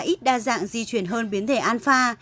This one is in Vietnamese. ít đa dạng di chuyển hơn biến thể alpha